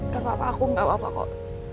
gak apa apa aku gak apa apa kok